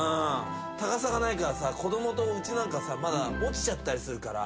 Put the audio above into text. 高さがないからさ子供とうちなんかさまだ落ちちゃったりするから。